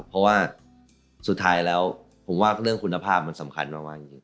เพราะว่าสุดท้ายแล้วผมว่าเรื่องคุณภาพมันสำคัญมากจริง